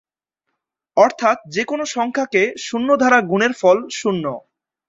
অর্থাৎ যেকোন সংখ্যাকে শূন্য দ্বারা গুণের ফল শূন্য।